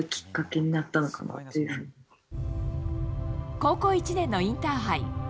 高校１年のインターハイ。